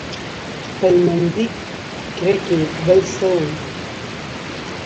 خپلمنځي کرکې بل څه وو.